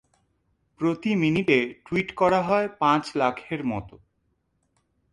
প্রতি মিনিটে টুইট করা হয় পাঁচ লাখের মতো।